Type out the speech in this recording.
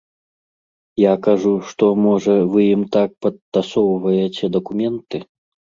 Я кажу, што, можа, вы ім так падтасоўваеце дакументы?